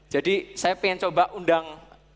jadi saya pengen coba undang